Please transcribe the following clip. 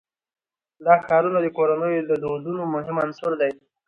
دا ښارونه د کورنیو د دودونو مهم عنصر دی.